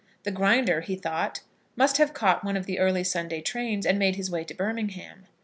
The Grinder, he thought, must have caught one of the early Sunday trains, and made his way to Birmingham.